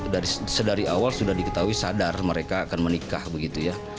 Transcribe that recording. dari sedari awal sudah diketahui sadar mereka akan menikah begitu ya